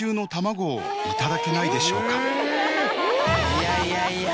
いやいやいや。